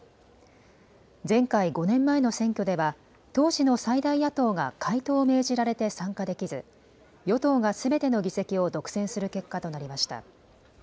前回５年前の選挙では当時の最大野党が解党を命じられて参加できず与党がすべての議席を独占する結果となりました。